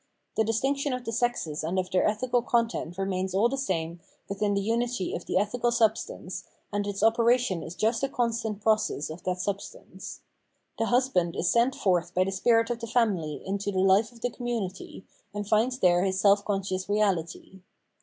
The distinction of the sexes and of their ethical content remains all the same within the unity of the ethical substance, and its operation is just the constant process of that substance. The husband is sent forth by the spirit of the family into the life of the commumty, and finds there his self conscious reality.